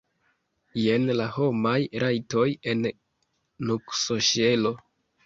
Jen la homaj rajtoj en nuksoŝelo!